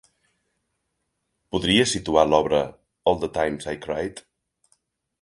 Podries situar l'obra All the Times I Cried?